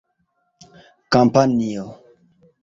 kampanjo